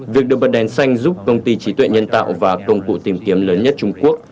việc được bật đèn xanh giúp công ty trí tuệ nhân tạo và công cụ tìm kiếm lớn nhất trung quốc